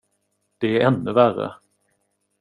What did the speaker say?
Det är ännu värre.